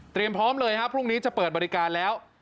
พร้อมเลยครับพรุ่งนี้จะเปิดบริการแล้ว